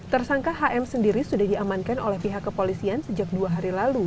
tersangka hm sendiri sudah diamankan oleh pihak kepolisian sejak dua hari lalu